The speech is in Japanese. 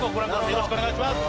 よろしくお願いします！」